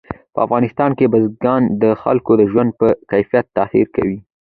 په افغانستان کې بزګان د خلکو د ژوند په کیفیت تاثیر کوي.